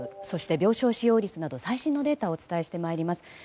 そして病床使用率など最新のデータをお伝えしてまいります。